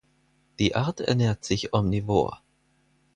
Die Art ernährt sich omnivor.